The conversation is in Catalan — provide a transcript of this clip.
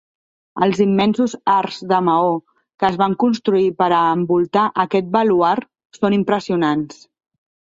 Els immensos arcs de maó que es van construir per a envoltar aquest baluard són impressionants.